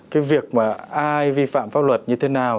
cái việc mà ai vi phạm pháp luật như thế nào